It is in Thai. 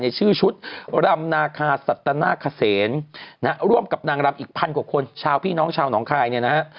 ชื่อชุดรำนาคาสัตนาคเซนนะฮะร่วมกับนางรำอีกพันกว่าคนชาวพี่น้องชาวหนองคายเนี่ยนะฮะ